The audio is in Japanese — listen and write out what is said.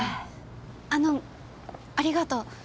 あのありがとう。